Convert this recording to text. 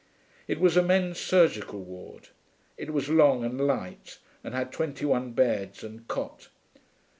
It was a men's surgical ward. It was long and light, and had twenty one beds, and Cot.